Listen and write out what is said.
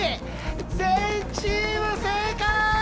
全チーム正解！